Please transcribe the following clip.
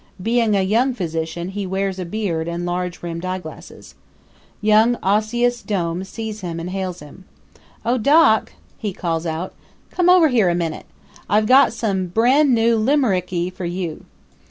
Being a young physician, he wears a beard and large rimmed eyeglasses. Young Ossius Dome sees him and hails him. "Oh, Doc!" he calls out. "Come over here a minute. I've got some brand new limerickii for you.